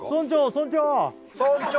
村長